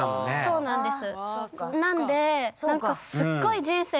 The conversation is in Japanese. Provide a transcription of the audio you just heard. そうなんです。